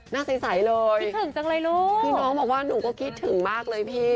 น่าใสเลยคือน้องบอกว่าหนูก็คิดถึงมากเลยพี่